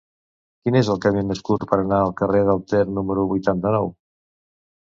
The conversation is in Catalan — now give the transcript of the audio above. Quin és el camí més curt per anar al carrer del Ter número vuitanta-nou?